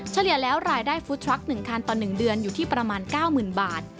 เฉลี่ยแล้วรายได้ฟุตทรัค๑คันต่อ๑เดือนอยู่ที่ประมาณ๙๐๐๐บาท